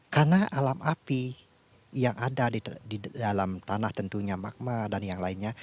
karena alam api yang ada di dalam tanah tentunya magma dan yang lainnya